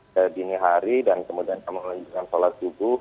ke dini hari dan kemudian kami melanjutkan sholat subuh